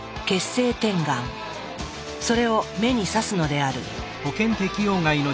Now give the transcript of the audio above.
それを目にさすのである。